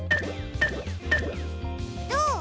どう？